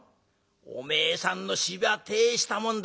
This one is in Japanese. おめえさんの芝居はてえしたもんだ。